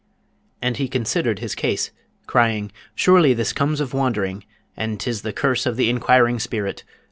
And he considered his case, crying, 'Surely this comes of wandering, and 'tis the curse of the inquiring spirit!